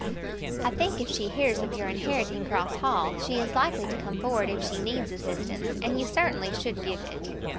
"I think, if she hears of your inheriting Cross Hall, she is likely to come forward if she needs assistance, and you certainly should give it."